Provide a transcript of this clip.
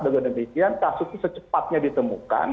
dan demikian kasus itu secepatnya ditemukan